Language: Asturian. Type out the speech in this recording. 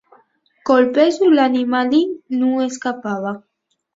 Col pesu l'animalín nun escapaba.